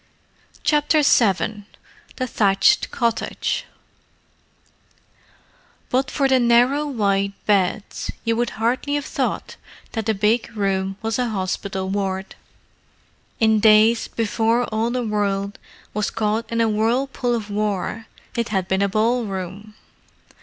CHAPTER VII THE THATCHED COTTAGE But for the narrow white beds, you would hardly have thought that the big room was a hospital ward. In days before all the world was caught into a whirlpool of war it had been a ballroom.